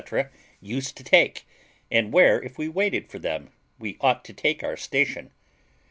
used to take, and where, if we waited for them, we ought to take our station.